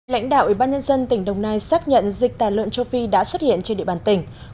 lãnh đạo ủy ban nhân dân tỉnh đồng nai xác nhận dịch tả lợn châu phi đã xuất hiện trên địa bàn tỉnh